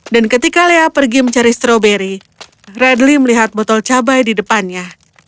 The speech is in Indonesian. dan ketika leah pergi mencari stroberi redly melihat botol cabai di depannya